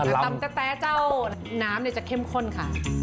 แต่ตำแต๊ะเจ้าน้ำจะเข้มข้นค่ะ